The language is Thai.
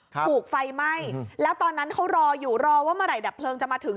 ถูกไฟไหม้แล้วตอนนั้นเขารออยู่รอว่าเมื่อไหดับเพลิงจะมาถึง